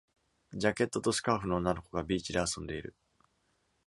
ジャケットとスカーフの女の子がビーチで遊んでいる。